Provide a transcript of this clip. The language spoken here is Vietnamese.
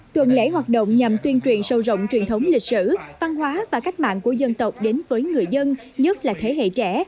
tuần lễ hoạt động nhằm tuyên truyền sâu rộng truyền thống lịch sử văn hóa và cách mạng của dân tộc đến với người dân nhất là thế hệ trẻ